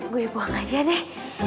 gue bohong aja deh